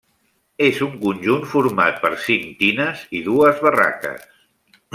És un conjunt format per cinc tines i dues barraques.